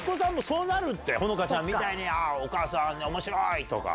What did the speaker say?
帆夏ちゃんみたいにお母さん面白い！とか。